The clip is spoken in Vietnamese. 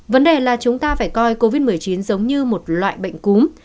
vấn đề là chúng ta phải coi covid một mươi chín giống như một loại bệnh cúm